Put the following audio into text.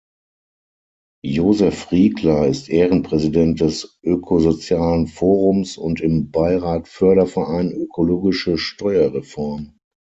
Josef Riegler ist Ehrenpräsident des Ökosozialen Forums und im Beirat Förderverein Ökologische Steuerreform.